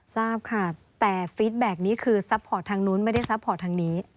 ทราบค่ะแต่ฟีดแบ็คนี้คือซัพพอร์ตทางนู้นไม่ได้ซัพพอร์ตทางนี้